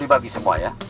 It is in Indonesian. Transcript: dibagi semua ya